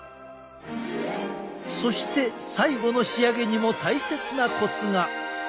そして最後の仕上げにも大切なコツが。